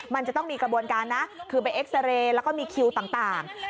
มันจะต้องมีกระบวนการนะคือไปเอ็กซาเรย์แล้วก็มีคิวต่าง